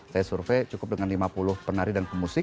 saya survei cukup dengan lima puluh penari dan pemusik